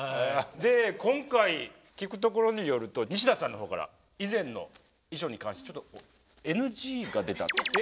で今回聞くところによると西田さんのほうから以前の衣装に関してちょっとＮＧが出たって。